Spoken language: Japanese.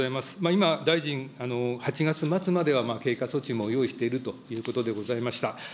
今、大臣、８月末までは経過措置も用意しているということでございました。